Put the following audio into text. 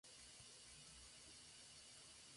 Se encuentra disponible en dos colores, plateado y negro.